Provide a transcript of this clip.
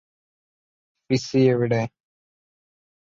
ഫിസ്സി എവിടെ